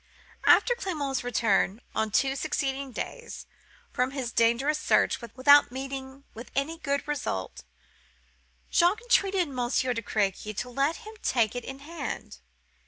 "After Clement's return, on two succeeding days, from his dangerous search, without meeting with any good result, Jacques entreated Monsieur de Crequy to let him take it in hand.